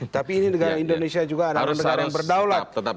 tapi ini negara indonesia juga adalah negara yang berdaulat